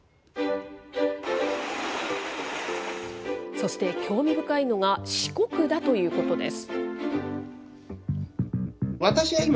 そして興味深いのが、四国だということです。